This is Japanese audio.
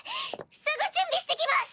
すぐ準備してきます！